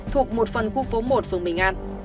thuộc một phần khu phố một phường bình an